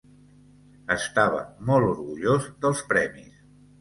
Estava molt orgullós dels premis.